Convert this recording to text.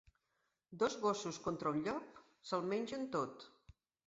Dos gossos contra un llop se'l mengen tot.